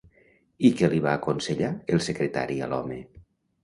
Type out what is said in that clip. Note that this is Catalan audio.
I què li va aconsellar el secretari a l'home?